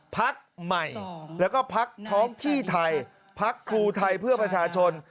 พักใหม่แล้วก็พักท้องที่ไทยพักครูไทยเพื่อประชาชน